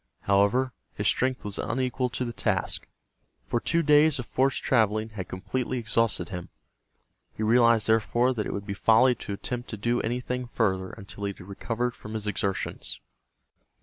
However, his strength was unequal to the task, for two days of forced traveling had completely exhausted him. He realized, therefore, that it would be folly to attempt to do anything further until he had recovered from his exertions.